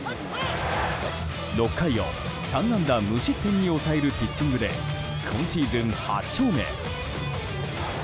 ６回を３安打無失点に抑えるピッチングで今シーズン８勝目。